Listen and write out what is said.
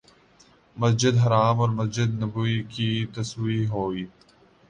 مسجد حرام اور مسجد نبوی کی توسیع ہوئی